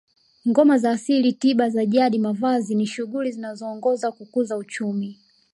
Ngoma za asili tiba za jadi mavazi ni shughuli zinazoongoza kukuza uchumi